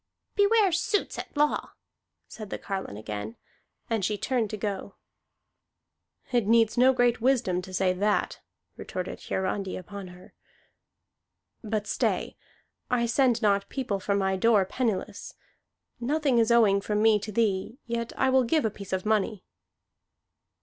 "Beware suits at law," said the carline again, and she turned to go. "It needs no great wisdom to say that," retorted Hiarandi upon her. "But stay! I send not people from my door penniless. Nothing is owing from me to thee, yet I will give a piece of money."